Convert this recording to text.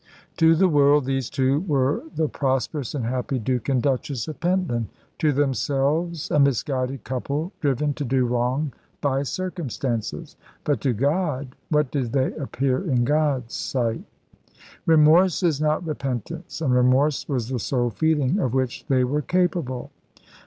To the world these two were the prosperous and happy Duke and Duchess of Pentland; to themselves, a misguided couple driven to do wrong by circumstances; but to God what did they appear in God's sight? Remorse is not repentance, and remorse was the sole feeling of which they were capable.